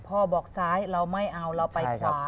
พ่อบอกซ้ายเราไม่เอาเราไปขวา